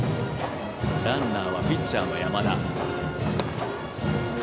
ランナーはピッチャーの山田。